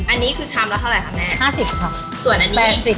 อันนี้คือชำละเท่าไหร่คะแม่๕๐ครับ